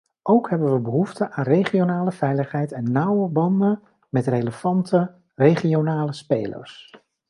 Ook hebben we behoefte aan regionale veiligheid en nauwe banden met relevante regionale spelers.